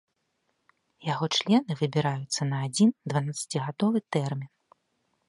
Яго члены выбіраюцца на адзін дванаццацігадовы тэрмін.